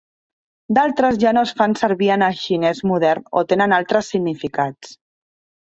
D'altres ja no es fan servir en el xinès modern o tenen altres significats.